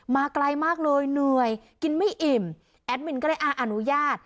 ไกลมากเลยเหนื่อยกินไม่อิ่มแอดมินก็เลยอนุญาต